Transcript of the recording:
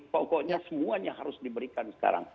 pokoknya semuanya harus diberikan sekarang